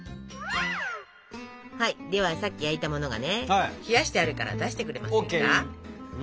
はいではさっき焼いたものがね冷やしてあるから出してくれませんか？